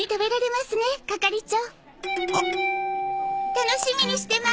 楽しみにしてます。